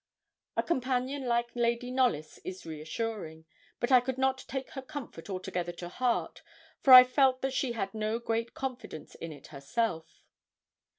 A companion like Lady Knollys is reassuring; but I could not take her comfort altogether to heart, for I felt that she had no great confidence in it herself.